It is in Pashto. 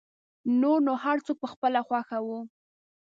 نور نو هر څوک په خپله خوښه و.